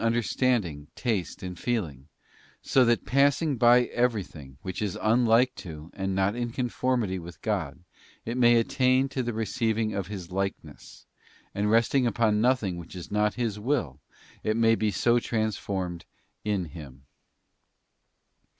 67 understanding, taste, and feeling, so that passing by every thing which is unlike to, and not in conformity with God, it may attain to the receiving of His likeness, and resting upon nothing which is not His will, it may be so trans formed in Him.